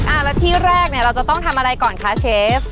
แล้วที่แรกเนี่ยเราจะต้องทำอะไรก่อนคะเชฟ